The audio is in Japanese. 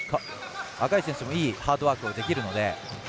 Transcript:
赤石選手もいいハードワークができるので。